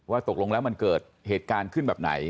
ตกลงแล้วมันเกิดเหตุการณ์ขึ้นแบบไหน